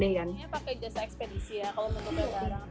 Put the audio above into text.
biasanya pakai jasa ekspedisi ya kalau menutupi barang